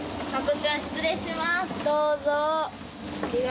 どうぞ。